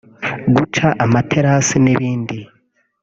guca amaterasi n’ibindi